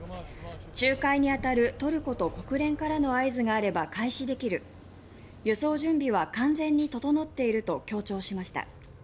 仲介に当たるトルコと国連からの合図があれば開始できる輸送準備は完全に整っていると強調しました。